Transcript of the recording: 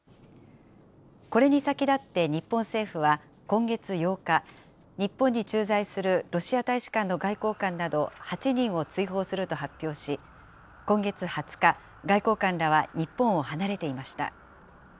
これに先立って日本政府は今月８日、日本に駐在するロシア大使館の外交官など８人を追放すると発表し、今月２０日、外交官らは日本を離れていました。